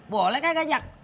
boleh kaya gak jak